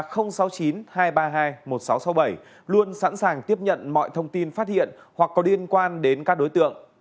công an sáu mươi hai một nghìn sáu trăm sáu mươi bảy luôn sẵn sàng tiếp nhận mọi thông tin phát hiện hoặc có liên quan đến các đối tượng